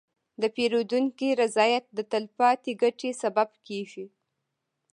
د پیرودونکي رضایت د تلپاتې ګټې سبب کېږي.